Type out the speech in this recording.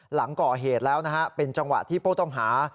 หลังก่อเหตุแล้วนะฮะเป็นจังหวะที่ผู้ต้องหา